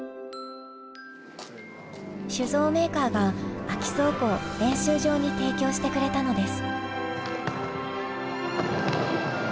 酒造メーカーが空き倉庫を練習場に提供してくれたのです。